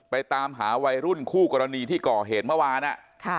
ตามหาวัยรุ่นคู่กรณีที่ก่อเหตุเมื่อวาน